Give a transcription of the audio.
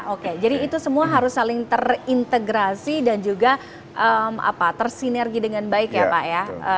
oke jadi itu semua harus saling terintegrasi dan juga tersinergi dengan baik ya pak ya